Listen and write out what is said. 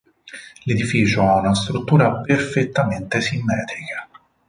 L'edificio ha una struttura perfettamente simmetrica.